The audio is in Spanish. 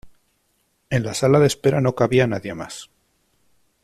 En la sala de espera no cabía nadie más.